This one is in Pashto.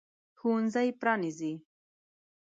ښوونځی پرانیزي.